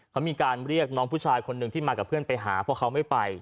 เขามีการเรียกน้องผู้ชายคนหนึ่งที่มากับเพื่อนไปหาเพราะเขาไม่ไป